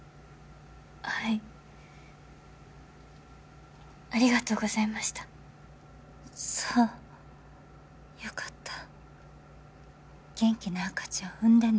はいありがとうございましたそうよかった元気な赤ちゃん産んでね